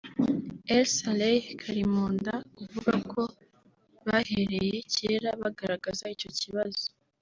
Al-Saleh Karimunda uvuga ko bahereye kera bagaragaza icyo kibazo